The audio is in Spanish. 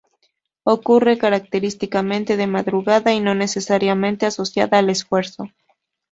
Ocurre característicamente de madrugada y no necesariamente asociada al esfuerzo.